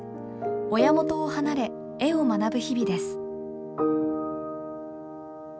親元を離れ絵を学ぶ日々です。